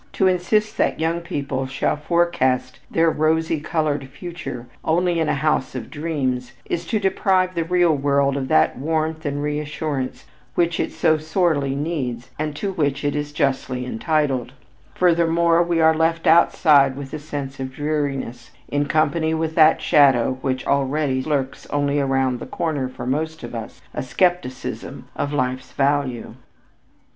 To insist that young people shall forecast their rose colored future only in a house of dreams, is to deprive the real world of that warmth and reassurance which it so sorely needs and to which it is justly entitled; furthermore, we are left outside with a sense of dreariness, in company with that shadow which already lurks only around the corner for most of us a skepticism of life's value.